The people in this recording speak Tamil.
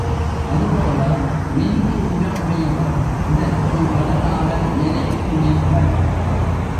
அதுபோல நெஞ்சு உரம் உடையவர் எதற்கும் தளராமல் நிலைத்து நிற்பர்.